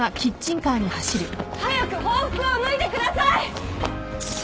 早く法服を脱いでください！